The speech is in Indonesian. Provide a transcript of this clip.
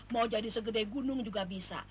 mau jadi segede gunung juga bisa